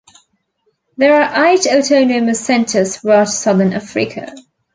There are eight autonomous centres throughout Southern Africa.